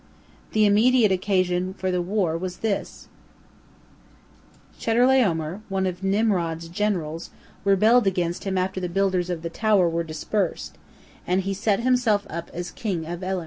The immediate occasion for the war was this: Chedorlaomer, one of Nimrod's generals, rebelled against him after the builders of the tower were dispersed, and he set himself up as king of Elam.